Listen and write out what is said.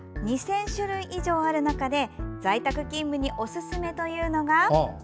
２０００種類以上ある中で在宅勤務におすすめというのが。